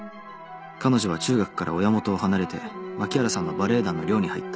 彼女は中学から親元を離れて槇原さんのバレエ団の寮に入った。